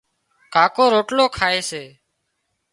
ڪاڪو روٽلو کائي سي